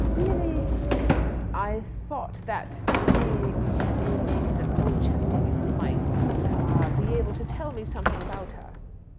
Really " "I thought that, being a native of Oldchester, you might a be able to tell me something about her."